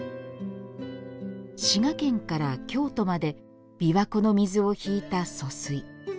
滋賀県から京都まで琵琶湖の水を引いた疏水。